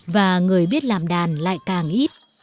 và người biết làm đàn lại càng ít